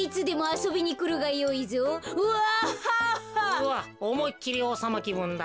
うわっおもいっきりおうさまきぶんだ。